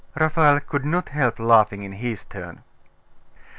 Raphael could not help laughing in his turn.